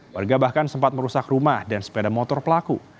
warga bahkan sempat merusak rumah dan sepeda motor pelaku